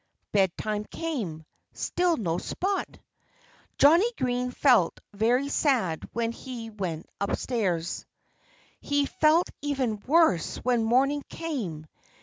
Bedtime came. Still no Spot! Johnnie Green felt very sad when he went upstairs. He felt even worse when morning came.